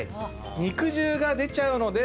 肉汁が出ちゃうので。